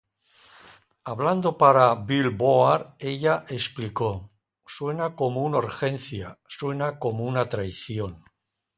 Hablando para "Billboard", ella explicó: "Suena como una urgencia, suena como una traición.